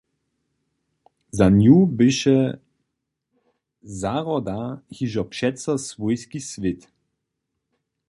Za nju běše zahroda hižo přeco swójski swět.